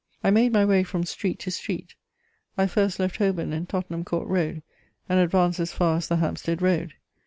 I made my way from street to street; I first left Holborn and Tottenham Court Road, and advanced as far as the Hampstead Road.